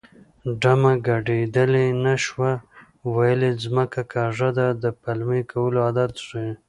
ډمه ګډېدلی نه شوه ویل یې ځمکه کږه ده د پلمې کولو عادت ښيي